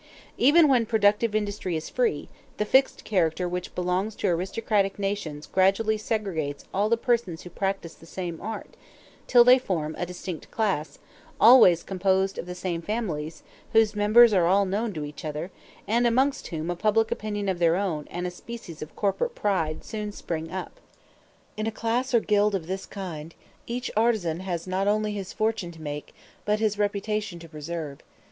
Even when productive industry is free, the fixed character which belongs to aristocratic nations gradually segregates all the persons who practise the same art, till they form a distinct class, always composed of the same families, whose members are all known to each other, and amongst whom a public opinion of their own and a species of corporate pride soon spring up. In a class or guild of this kind, each artisan has not only his fortune to make, but his reputation to preserve.